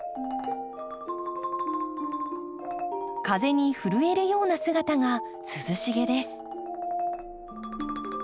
風に震えるような姿が涼しげです。